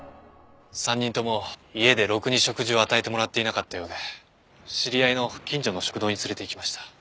３人とも家でろくに食事を与えてもらっていなかったようで知り合いの近所の食堂に連れて行きました。